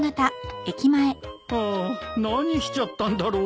ああ何しちゃったんだろう。